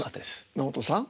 直人さん